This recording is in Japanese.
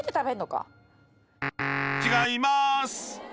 ［違いまーす！］